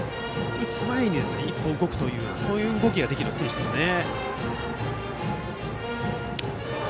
打つ前に１歩動くという動きができる選手ですよね。